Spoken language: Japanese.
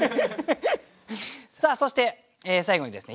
そして最後にですね